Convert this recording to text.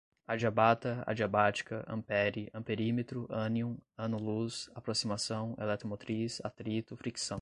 adiabata, adiabática, ampère, amperímetro, ânion, ano-luz, aproximação, eletromotriz, atrito, fricção